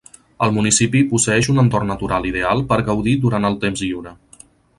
El municipi posseeix un entorn natural ideal per gaudir durant el temps lliure.